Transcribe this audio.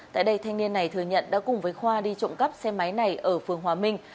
tại đây thanh niên này thừa nhận đã cùng với khoa đi trộm cắp xe máy này ở phường hòa minh